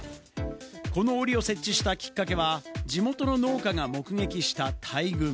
このおりを設置したきっかけは、地元の農家が目撃した大群。